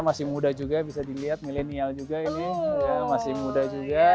mas luf juga bisa dilihat millennial juga ini masih muda juga